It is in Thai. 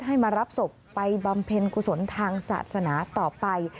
มารับศพไปบำเพ็ญกุศลทางศาสนาต่อไป